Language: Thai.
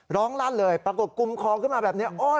ลั่นเลยปรากฏกุมคอขึ้นมาแบบนี้